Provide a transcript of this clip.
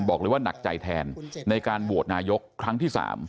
บอกเลยว่าหนักใจแทนในการโหวตนายกครั้งที่๓